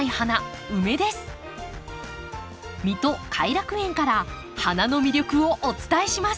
水戸偕楽園から花の魅力をお伝えします。